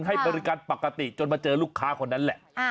ให้บริการปกติจนมาเจอลูกค้าคนนั้นแหละ